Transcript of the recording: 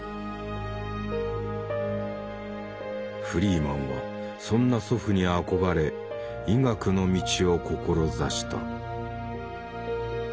フリーマンはそんな祖父に憧れ医学の道を志した。